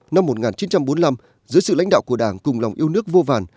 năm một nghìn chín trăm bốn mươi năm dưới sự lãnh đạo của đảng cùng lòng yêu nước vô vàn